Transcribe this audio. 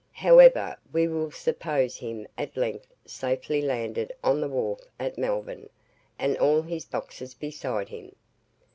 However, we will suppose him at length safely landed on the wharf at Melbourne, with all his boxes beside him.